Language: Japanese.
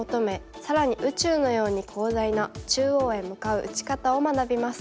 更に宇宙のように広大な中央へ向かう打ち方を学びます。